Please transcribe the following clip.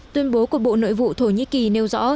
tuyên bố của bộ nội vụ thổ nhĩ kỳ nêu rõ